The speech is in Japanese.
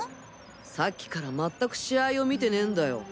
さっきからまったく試合を見てねえんだよ。